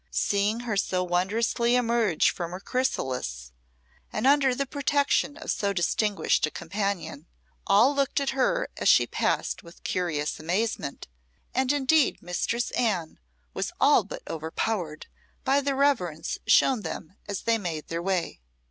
Seeing her so wondrously emerge from her chrysalis, and under the protection of so distinguished a companion, all looked at her as she passed with curious amazement, and indeed Mistress Anne was all but overpowered by the reverence shown them as they made their way.